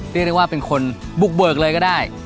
เรียกได้ว่าเป็นคนบุกเบิกเลยก็ได้